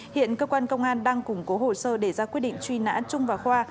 hiện cơ quan công an đang củng cố hồ sơ để ra quyết định truy nã trung và khoa